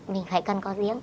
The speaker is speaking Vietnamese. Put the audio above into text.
mình phải cần có giếng